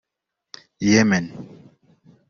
Yemen